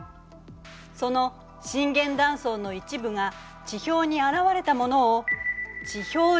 その震源断層の一部が地表に現れたものを「地表地震断層」というのよ。